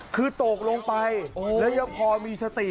คือตกลงไปแล้วยังพอมีสติ